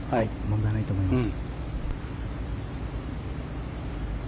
問題ないと思います。